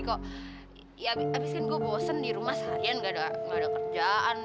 setelah saya bosan di rumah sehari hari tidak ada kerjaan